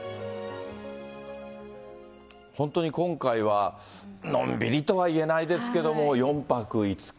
本当に今回は、のんびりとは言えないですけど、４泊５日。